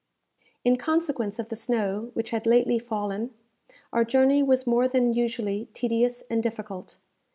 In consequence of the snow which had lately fallen, our journey was more than usually tedious and difficult.